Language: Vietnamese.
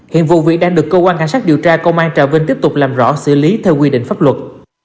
hiện vụ việc đang được cơ quan cảnh sát điều tra công an trà vinh tiếp tục làm rõ xử lý theo quy định pháp luật